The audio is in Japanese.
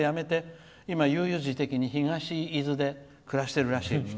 で、今、悠々自適に東伊豆で暮らしてるらしい。